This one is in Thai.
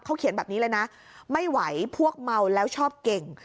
เขาเขียนแบบนี้เลยนะไม่ไหวพวกเมาแล้วชอบเก่ง